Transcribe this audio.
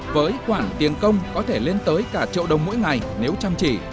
với khoản tiền công có thể lên tới cả triệu đồng mỗi ngày nếu chăm chỉ